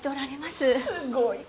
すごい。